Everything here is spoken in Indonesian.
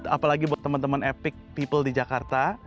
apalagi buat teman teman epic people di jakarta